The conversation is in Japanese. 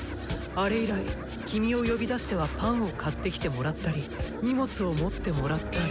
あれ以来キミを呼び出してはパンを買ってきてもらったり荷物を持ってもらったり。